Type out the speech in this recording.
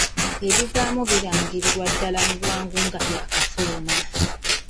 Ebivaamu birangirirwa mu bwangu ddala nga byakafuluma.